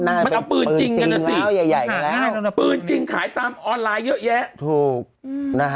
มันเอาปืนจริงกันนะสิปืนจริงขายตามออนไลน์เยอะแยะถูกนะฮะ